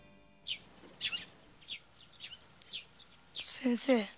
先生。